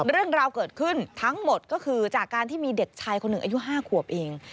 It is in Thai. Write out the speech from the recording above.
เรื่องราวเกิดขึ้นทั้งหมดก็คือจากการที่มีเด็กชายคนหนึ่งอายุ๕ขวบเอง